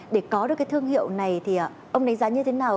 để có được cái thương hiệu này thì ông đánh giá như thế nào